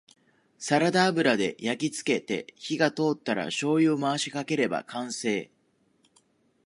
サラダ油で焼きつけて火が通ったらしょうゆを回しかければ完成